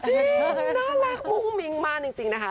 น่ารักมุ่งมิ้งมากจริงนะคะ